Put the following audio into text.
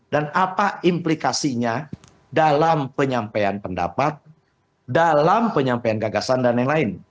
dan apa implikasinya dalam penyampaian pendapat dalam penyampaian gagasan dan lain lain